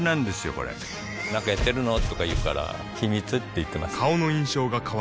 これなんかやってるの？とか言うから秘密って言ってます